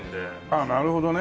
あっなるほどね。